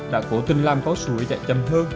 đã cố tình làm có suối chạy chậm hơn